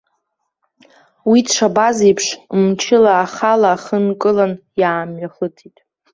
Уи дшабаз аиԥш, мчыла ахала ахы нкылан, иаамҩахыҵит.